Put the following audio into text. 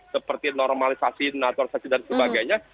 seperti normalisasi naturalisasi dan sebagainya